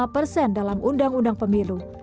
dua puluh lima persen dalam undang undang pemilu